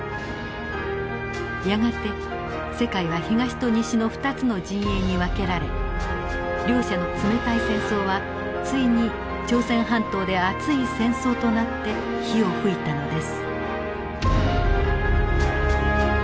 やがて世界は東と西の２つの陣営に分けられ両者の冷たい戦争はついに朝鮮半島で熱い戦争となって火をふいたのです。